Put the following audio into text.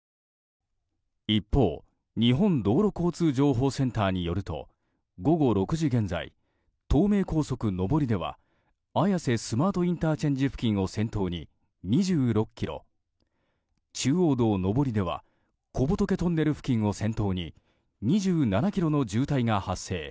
一方、日本道路交通情報センターによると午後６時現在、東名高速上りでは綾瀬スマートＩＣ付近を先頭に２６ｋｍ中央道上りでは小仏トンネル付近を先頭に２７ｋｍの渋滞が発生。